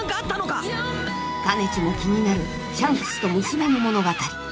［かねちも気になるシャンクスと娘の物語］